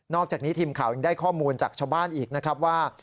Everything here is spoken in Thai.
อกจากนี้ทีมข่าวยังได้ข้อมูลจากชาวบ้านอีกนะครับว่า